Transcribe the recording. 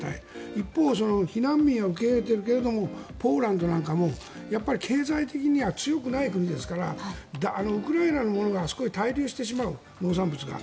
一方避難民を受け入れているけどポーランドも経済的には強くない国ですからウクライナのものがあそこに滞留してしまう、農産物が。